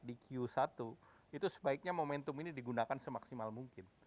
di q satu itu sebaiknya momentum ini digunakan semaksimal mungkin